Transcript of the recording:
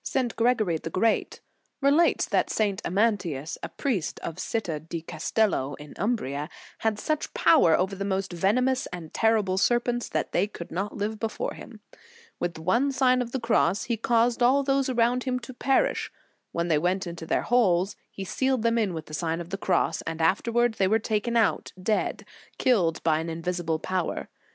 184 The Sign of the Cross St. Gregory the Great, relates that St. Amantius, a priest of Citta di Castello, in Umbria, had such power over the most veno mous and terrible serpents that they could not live before him. With one Sign of the Cross he caused all those around him to perish. When they went into their holes, he sealed them in with the Sign of the Cross, and afterwards they were taken out dead, killed by an invisible power.